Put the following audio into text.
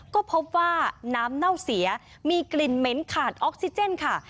ก็พบว่าน้ำเน่าเสียมีกลิ่นเหม็นขาดออกซิเจนค่ะ